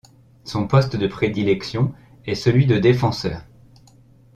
Son poste de prédilection est celui de défenseur.